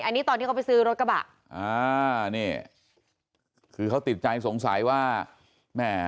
อันนี้ตอนที่เขาไปซื้อรถกระบะอ่านี่คือเขาติดใจสงสัยว่าแม่